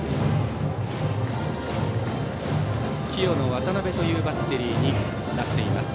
清野、渡辺というバッテリーになっています。